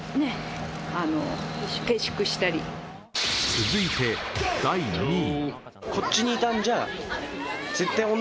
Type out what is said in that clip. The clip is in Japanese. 続いて第２位。